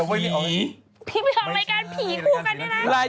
พี่ไปลองรายการผีคู่กันดินะ